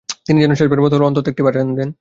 তিনি যেন শেষবারের মত হলেও অন্তত একটিবার আযান দেন।